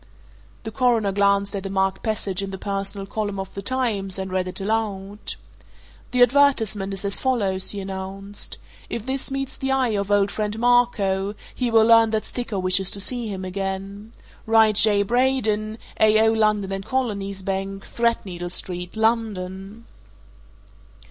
The Coroner glanced at a marked passage in the personal column of the Times, and read it aloud: "The advertisement is as follows," he announced. "'If this meets the eye of old friend Marco, he will learn that Sticker wishes to see him again. Write J. Braden, c/o London & Colonies Bank, Threadneedle Street, London.'"